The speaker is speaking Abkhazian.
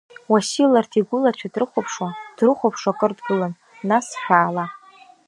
Уасил арҭ игәылацәа дрыхәаԥшуа, дрыхәаԥшуа акыр дгылан, нас Шәаала!